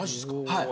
はい。